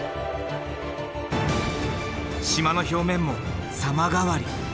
島の表面も様変わり。